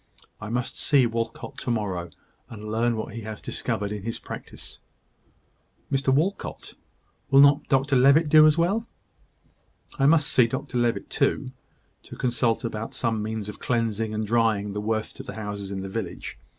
I must see Walcot to morrow; and learn what he has discovered in his practice." "Mr Walcot! Will not Dr Levitt do as well?" "I must see Dr Levitt too, to consult about some means of cleansing and drying the worst of the houses in the village.